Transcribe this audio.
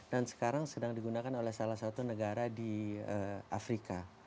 dan sekarang sedang digunakan oleh salah satu negara di afrika